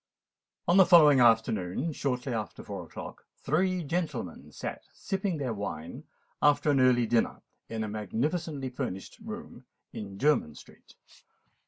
On the following afternoon, shortly after four o'clock, three gentlemen sate, sipping their wine after an early dinner, in a magnificently furnished room in Jermyn Street.